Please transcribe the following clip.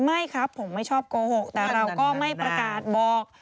ไม่ครับผมไม่ชอบโกหกแต่เราก็ไม่ประกาศบอก